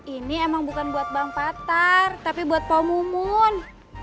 ini emang bukan buat bang patar tapi buat pak mumun